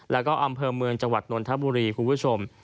แล้วก็อำเภอเมืองจังหวัดนนทบุรีคุณผู้ชม